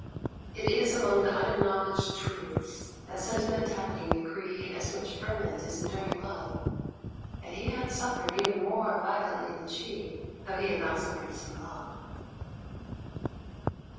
It is among the unacknowledged truths that sentimentality may create as much ferment as enduring love, and he had suffered even more violently than she, though he had not suffered so long.